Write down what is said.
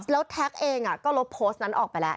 แล้วแท็กเองก็ลบโพสต์นั้นออกไปแล้ว